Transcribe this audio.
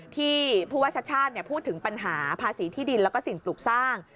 ที่พูดว่าชัดชาติเนี่ยพูดถึงปัญหาภาษีที่ดินและสิ่งปลูกสร้าง